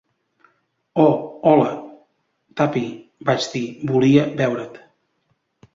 "Oh, hola, Tuppy," vaig dir, "volia veure't."